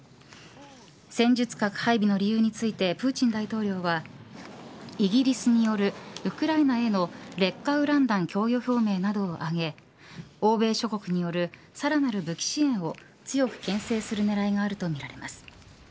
戦術核配備の理由についてプーチン大統領はイギリスによるウクライナへの劣化ウラン弾供与表明などを挙げ欧米諸国によるさらなる武器支援を強くけん制する狙いがあるとみられます。